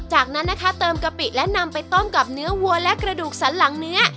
จากนั้นนะคะเติมกะปิและนำไปต้มกับเนื้อวัวและกระดูกสันหลังเนื้อ